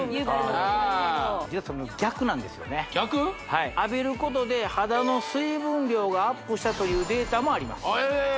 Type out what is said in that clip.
はい浴びることで肌の水分量がアップしたというデータもあります